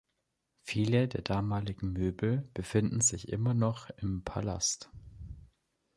Viele der damaligen Möbel befinden sich immer noch im Palast.